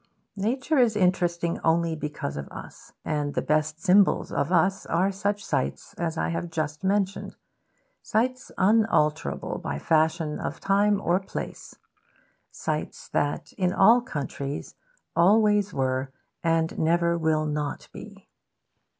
Nature is interesting only because of us. And the best symbols of us are such sights as I have just mentioned sights unalterable by fashion of time or place, sights that in all countries always were and never will not be.